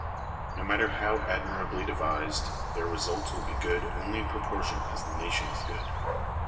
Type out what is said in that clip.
No matter how admirably devised, their results will be good only in proportion as the nation is good.